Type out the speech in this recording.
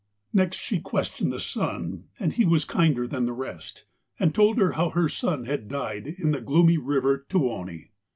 Next she questioned the Sun, and he was kinder than the rest, and told her how her son had died in the gloomy river Tuoni.